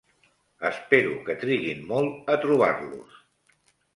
Espero que triguin molt a trobar-los.